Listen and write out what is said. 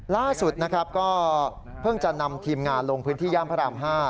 ล่าสุดนะครับก็เพิ่งจะนำทีมงานลงพื้นที่ย่านพระราม๕